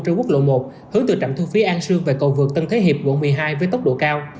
trên quốc lộ một hướng từ trạm thu phí an sương về cầu vượt tân thế hiệp quận một mươi hai với tốc độ cao